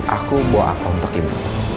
aku bawa apa untuk ibu